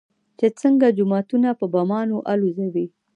چې څنگه جوماتونه په بمانو الوزوي.